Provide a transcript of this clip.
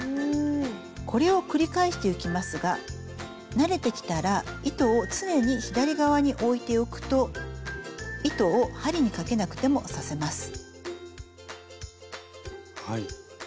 これを繰り返していきますが慣れてきたら糸を常に左側に置いておくと糸を針にかけなくても刺せます。